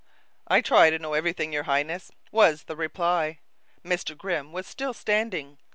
"I try to know everything, your Highness," was the reply. Mr. Grimm was still standing.